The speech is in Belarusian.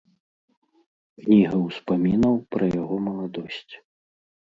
Кніга ўспамінаў пра яго маладосць.